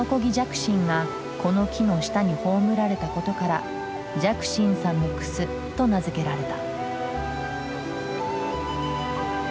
心がこの木の下に葬られたことから「寂心さんのクス」と名付けられた。